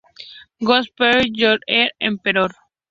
Godspeed You Black Emperor!